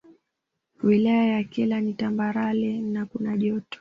Wilaya ya Kyela ni Tambarale na kuna Joto